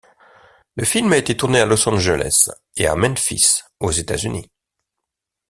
Le film a été tourné à Los Angeles, et à Memphis aux États-Unis.